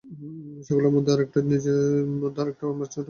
সেগুলোর মধ্যে একটা আমার নিজের, আরেকটা আমার ছোট ভাইয়ের।